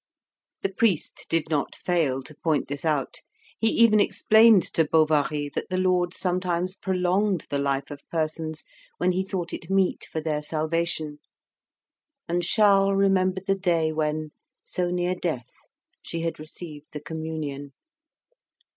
The priest did not fail to point this out; he even explained to Bovary that the Lord sometimes prolonged the life of persons when he thought it meet for their salvation; and Charles remembered the day when, so near death, she had received the communion.